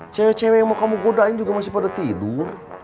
cewek cewek yang mau kamu kudain juga masih pada tidur